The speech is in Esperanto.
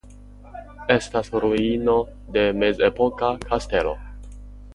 Estas ruino de mezepoka kastelo.